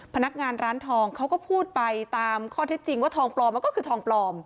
พนักงานร้านทองเขาก็พูดไปตามข้อเท็จจริงว่าทองปลอมมันก็คือทองปลอม